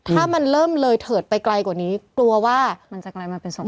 ถ้ามันเริ่มเลยเถิดไปไกลกว่านี้กลัวว่ามันจะกลายมาเป็นศพ